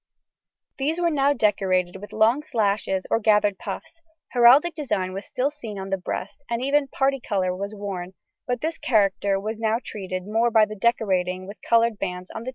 These were now decorated with long slashes or gathered puffs: heraldic design was still seen on the breast, and even parti colour was worn, but this character was now treated more by decorating with coloured bands on the tunics or tights.